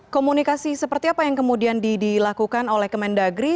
komunikasi seperti apa yang kemudian dilakukan oleh kemendagri